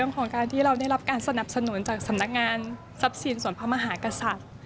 ของการที่เราได้รับการสนับสนุนจากสำนักงานทรัพย์สินส่วนพระมหากษัตริย์